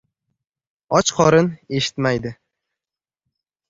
• Och qorin eshitmaydi.